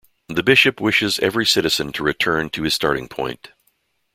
The Bishop wishes every citizen to return to his starting point.